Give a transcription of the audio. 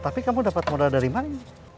tapi kamu dapat modal dari mana